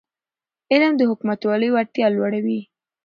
علم د حکومتولی وړتیا لوړوي.